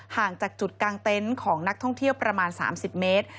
ห่างจากจุดกลางเต็นต์ของนักท่องเที่ยวประมาณ๓๐เมตร